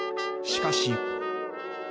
しかし。